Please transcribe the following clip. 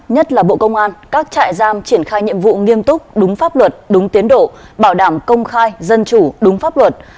nhất là bộ công an các trại giam triển khai nhiệm vụ nghiêm túc đúng pháp luật đúng tiến độ bảo đảm công khai dân chủ đúng pháp luật